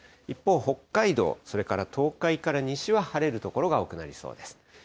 一方、北海道、それから東海から西は晴れる所が多くなりそうです。